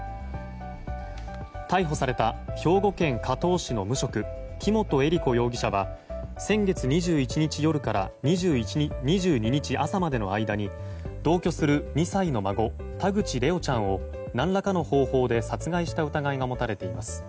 逮捕された兵庫県加東市の無職・木本恵理子容疑者は先月２１日夜から２２日朝までの間に同居する２歳の孫田口怜旺ちゃんを何らかの方法で殺害した疑いが持たれています。